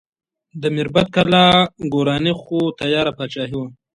د میربت کلا ګورواني خو تیاره پاچاهي وه.